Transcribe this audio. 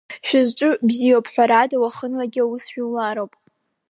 Шәызҿу бзиоуп, ҳәарада, уахынлагьы аус жәулароуп.